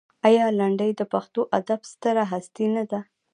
آیا لنډۍ د پښتو ادب ستره هستي نه ده؟